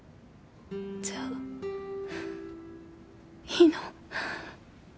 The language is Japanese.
じゃあいいの？